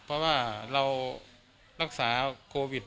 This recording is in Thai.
เพราะว่าเรารักษาโควิด